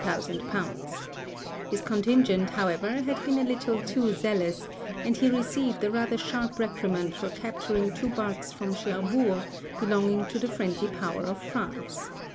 _ His contingent, however, had been a little too zealous, and he received a rather sharp reprimand for capturing two barks from Cherbourg belonging to the friendly power of France.